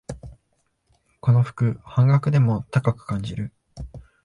この服、半額でも高く感じる